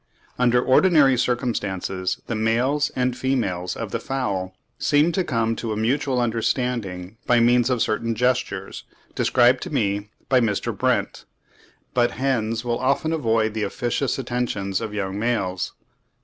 Under ordinary circumstances the males and females of the fowl seem to come to a mutual understanding by means of certain gestures, described to me by Mr. Brent. But hens will often avoid the officious attentions of young males.